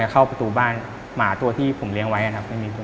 เข้าประตูบ้านหมาตัวที่ผมเลี้ยงไว้ครับ